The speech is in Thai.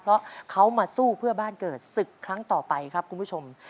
เพราะเขามาสู้เพื่อบ้านเกิดศึกครั้งต่อไปครับคุณผู้ชม